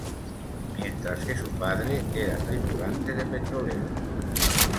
Mientras que su padre era tripulante de petroleros.